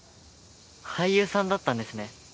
俳優さんだったんですね。